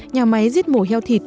nhà máy giết mổ heo thịt